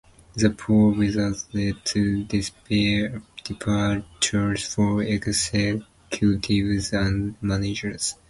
The poor results led to departures for executives and managers.